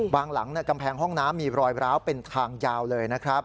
หลังกำแพงห้องน้ำมีรอยร้าวเป็นทางยาวเลยนะครับ